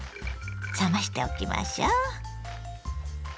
冷ましておきましょう。